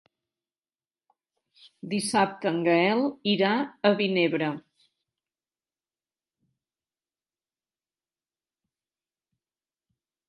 Dissabte en Gaël irà a Vinebre.